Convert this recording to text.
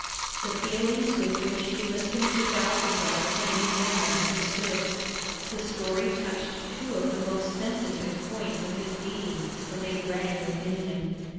The feelings with which he listened to Balthasar can be now understood. The story touched two of the most sensitive points of his being so they rang within him.